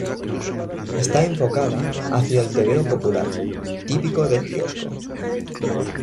Está enfocada hacia el tebeo popular, típico de quiosco.